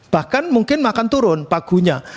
bahkan mungkin akan turun pagunya